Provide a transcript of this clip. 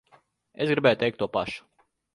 Es gribēju teikt to pašu.